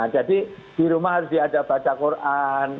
jadi di rumah harus ada baca quran